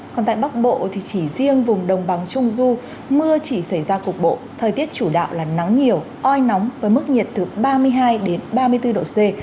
còn tại bắc bộ thì chỉ riêng vùng đồng bằng trung du mưa chỉ xảy ra cục bộ thời tiết chủ đạo là nắng nhiều oi nóng với mức nhiệt từ ba mươi hai ba mươi bốn độ c